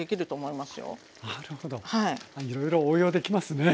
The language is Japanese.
いろいろ応用できますね。